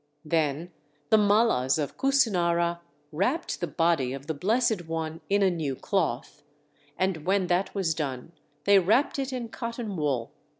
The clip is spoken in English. Then the Mallas of Kusinara wrapped the body of the Blessed One in a new cloth. And when that was done they wrapped it in cotton wool.